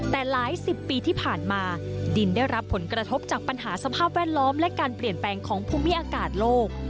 แต่หลายสิบปีที่ผ่านมาดินได้รับผลกระทบจากปัญหาสภาพแวดล้อมและการเปลี่ยนแปลงของภูมิอากาศโลก